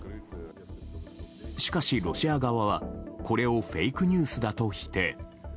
しかしロシア側は、これをフェイクニュースだと否定。